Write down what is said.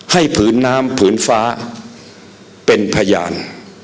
ผืนน้ำผืนฟ้าเป็นพยาน